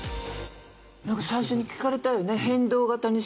なんか最初に聞かれたよね。